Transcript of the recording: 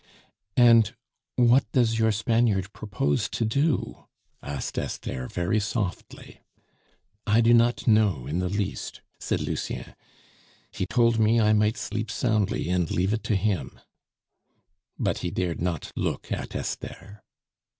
"And what does your Spaniard propose to do?" asked Esther very softly. "I do not know in the least," said Lucien; "he told me I might sleep soundly and leave it to him;" but he dared not look at Esther.